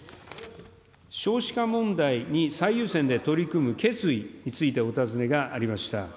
少子化問題に最優先で取り組む決意についてお尋ねがありました。